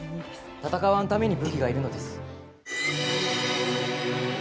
戦わんために武器がいるのです。